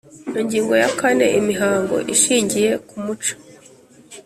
Ingingo ya kane Imihango ishingiye ku muco